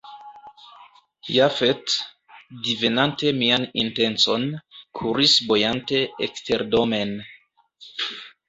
Jafet, divenante mian intencon, kuris bojante eksterdomen.